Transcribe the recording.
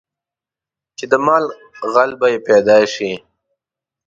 چې د مال غل به یې پیدا شي.